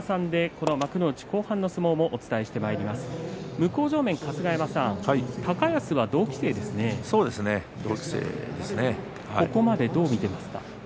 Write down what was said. ここまでどう見ていますか？